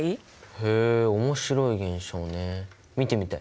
へえ面白い現象ね見てみたい！